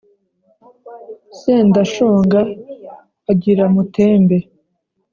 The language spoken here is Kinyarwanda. Sendashonga agira Mutembe (